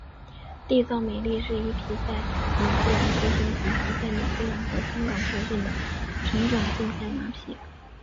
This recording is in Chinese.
缔造美丽是一匹在纽西兰出生以及在纽西兰和香港受训的纯种竞赛马匹。